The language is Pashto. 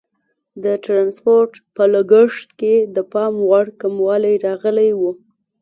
د ټرانسپورټ په لګښت کې د پام وړ کموالی راغلی وو.